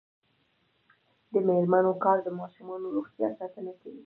د میرمنو کار د ماشومانو روغتیا ساتنه کوي.